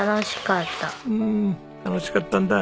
うん楽しかったんだ。